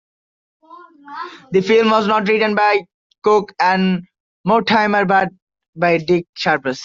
The film was not written by Cooke and Mortimer but by Dick Sharples.